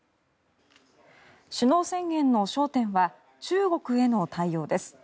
首脳宣言の焦点は中国への対応です。